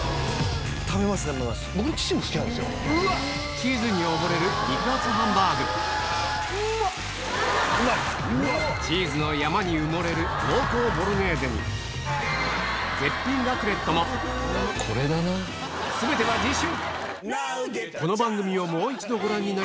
チーズに溺れる肉厚ハンバーグチーズの山に埋もれる濃厚ボロネーゼに絶品ラクレットも全ては次週！